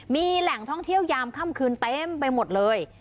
มีแหล่งท่องเที่ยวยามค่ำคืนเต็มไปหมดเลย